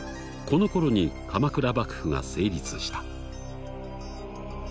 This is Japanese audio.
このころに鎌倉幕府が成立した」。